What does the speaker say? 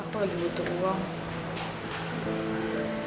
aku lagi butuh uang